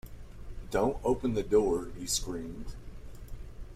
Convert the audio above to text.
"Don't open the door," he screamed.